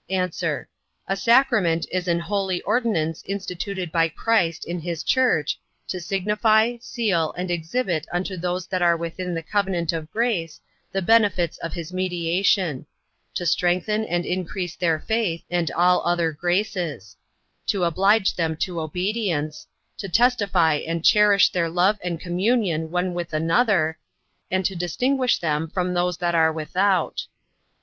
A. A sacrament is an holy ordinance instituted by Christ in his church, to signify, seal, and exhibit unto those that are within the covenant of grace, the benefits of his mediation; to strengthen and increase their faith, and all other graces; to oblige them to obedience; to testify and cherish their love and communion one with another; and to distinguish them from those that are without.